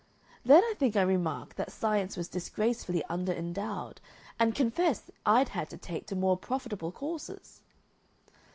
Then I think I remarked that science was disgracefully under endowed, and confessed I'd had to take to more profitable courses.